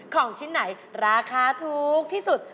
ของชิ้นไหนราคาถูกที่สุด